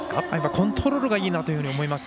コントロールがいいなと思います。